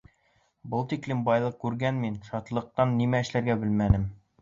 Был тиклем байлыҡ күргән мин шатлыҡтан нимә эшләргә лә белмәнем.